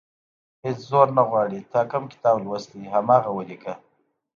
هېڅ زور نه غواړي تا کوم کتاب لوستی، هماغه ولیکه.